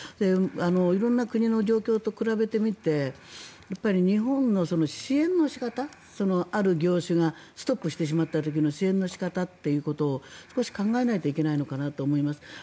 色んな国の状況と比べてみて日本の支援の仕方ある業種がストップしてしまった時の支援の仕方というのを少し考えないといけないのかなと思います。